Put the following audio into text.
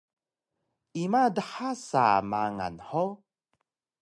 Ima dha sa mangal hug?